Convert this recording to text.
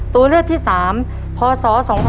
ตัวเลือกที่๓พศ๒๕๖